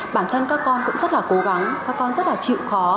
bản thân các con cũng rất là cố gắng các con rất là chịu khó